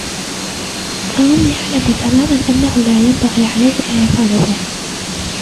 توم يعلم تماما أنه لا ينبغي عليه أن يفعل هذا.